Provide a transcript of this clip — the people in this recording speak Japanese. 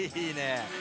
いいね。